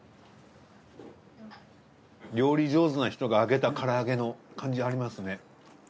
料理上手な人が揚げた唐揚げの感じありますね。